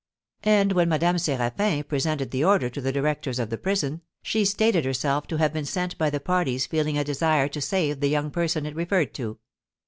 And when Madame Séraphin presented the order to the directors of the prison, she stated herself to have been sent by the parties feeling a desire to save the young person it referred to.